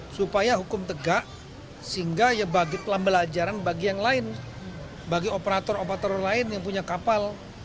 supaya hukum tegak sehingga ya bagi pembelajaran bagi yang lain bagi operator operator lain yang punya kapal